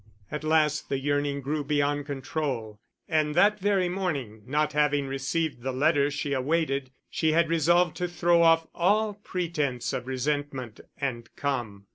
At last the yearning grew beyond control; and that very morning, not having received the letter she awaited, she had resolved to throw off all pretence of resentment, and come.